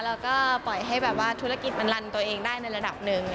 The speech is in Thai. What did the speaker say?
แล้วก็ปล่อยให้แบบว่าธุรกิจมันรันตัวเองได้ในระดับหนึ่ง